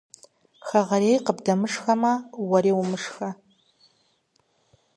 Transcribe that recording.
Хэгъэрейр къыбдэмышхэмэ, уэри умышхэ.